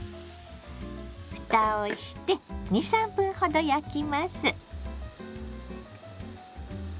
ふたをして２３分ほど焼きます。